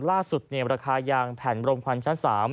ล่าสุดในบรรคายางแผ่นบรมควัญชั้น๓